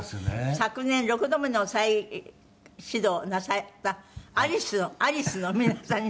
昨年、６度目の再始動をなさったアリスの皆さん。